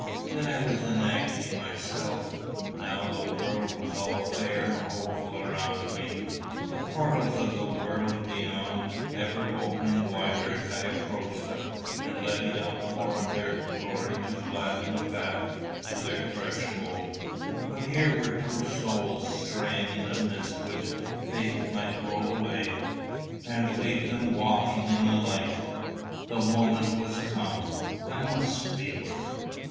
Then I was in agony myself; now the world was all fair and hopeful around me the portals of the world beyond ever opening wider as I approached them, and letting out more of their glory to gladden the path to their threshold. But here were two souls straying in a mist which faith might roll away, and leave them walking in the light. The moment was come. I must speak.